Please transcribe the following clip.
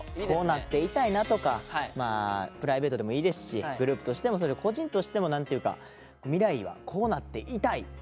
「こうなっていたいな」とかプライベートでもいいですしグループとしても個人としても何というか「未来はこうなっていたい」。